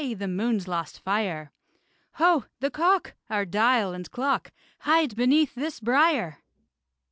the moon's lost fire! Ho! the cock! our dial and clock Hide beneath this brier!